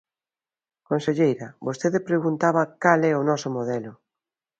Conselleira, vostede preguntaba cal é o noso modelo.